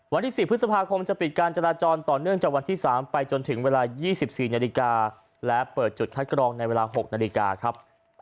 วันที่๔พฤษภาคมจะปิดการจราจรต่อเนื่องจากวันที่๓ไปจนถึงเวลา๒๔นาฬิกาและเปิดจุดคัดกรองในเวลา๖นาฬิกาครับ